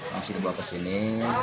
langsung dibawa ke sini